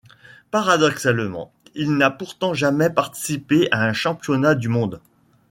Paradoxalement, il n'a pourtant jamais participé à un Championnat du monde.